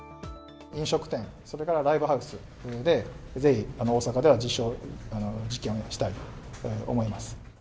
飲食店、それからライブハウスでぜひ、大阪では実証実験をしたいと思います。